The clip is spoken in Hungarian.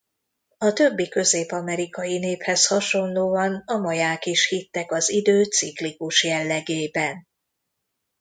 A többi közép-amerikai néphez hasonlóan a maják is hittek az idő ciklikus jellegében.